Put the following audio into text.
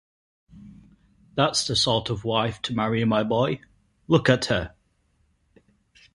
That's the sort of wife to marry, my boy. Look at her.